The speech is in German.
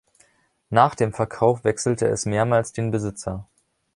Nach dem Verkauf wechselte es mehrmals den Besitzer.